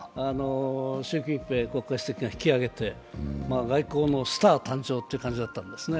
習近平国家主席が引きあげて、外交のスター誕生という感じだったんですね。